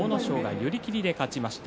寄り切りで勝ちました。